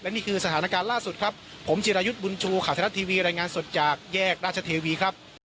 นี่คือสถานการณ์ล่าสุดครับผมจิรายุทธ์บุญชูข่าวไทยรัฐทีวีรายงานสดจากแยกราชเทวีครับ